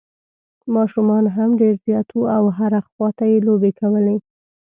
ماشومان هم ډېر زیات وو او هر خوا ته یې لوبې وې.